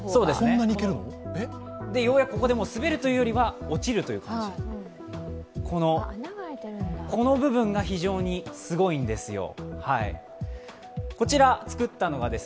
ようやくここで、滑るというよりは落ちるという感じ、この部分が非常にすごいんですよ。